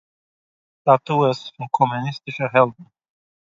סטאַטועס פון קאָמוניסטישע העלדן